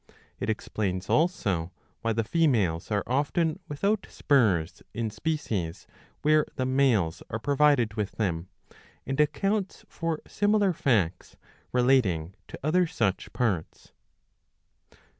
It explains also why the females are often without spurs in species where the males are provided with them, and accounts for similar facts relating to other such parts.